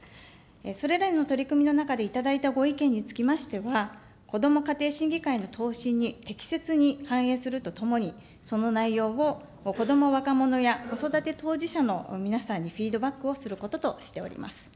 それらの取り組みの中で頂いたご意見につきましては、こども家庭審議会の答申に適切に反映するとともに、その内容を子ども・若者や、子育て当事者の皆さんにフィードバックをすることとしています。